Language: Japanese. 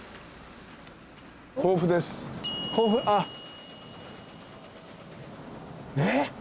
あっ。